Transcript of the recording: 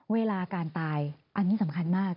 เวลาการตายอันนี้สำคัญมาก